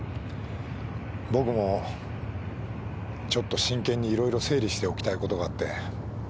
僕もちょっと真剣にいろいろ整理しておきたいことがあって。